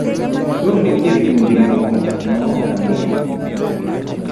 Koro nitie dhoudi moko maok angeyo